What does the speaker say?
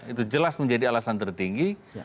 itu jelas menjadi alasan tertinggi